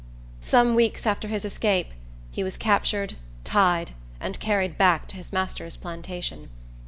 Some weeks after his escape, he was captured, tied, and carried back to his master's plantation.